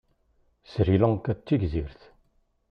Sri Lanka d tigzirt.